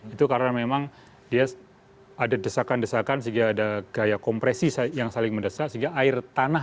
itu karena memang dia ada desakan desakan sehingga ada gaya kompresi yang saling mendesak sehingga air tanah